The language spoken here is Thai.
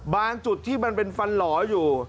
จุดที่มันเป็นฟันหล่ออยู่